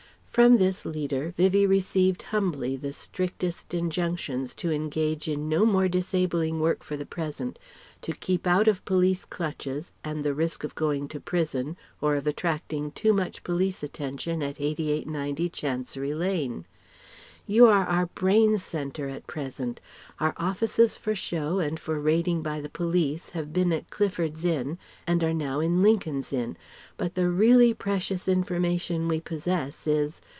From this leader, Vivie received humbly the strictest injunctions to engage in no more disabling work for the present, to keep out of police clutches and the risk of going to prison or of attracting too much police attention at 88 90 Chancery Lane. "You are our brain centre at present. Our offices for show and for raiding by the police have been at Clifford's Inn and are now in Lincoln's Inn. But the really precious information we possess is